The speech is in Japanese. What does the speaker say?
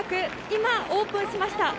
今、オープンしました。